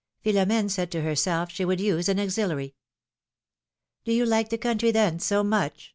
Philomene said to herself she would use an auxiliary. ^^Do you like the country, then, so much?"